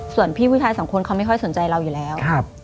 ส่วนพี่ผู้ชายสองคนเขาไม่ค่อยสนใจเราอยู่แล้ว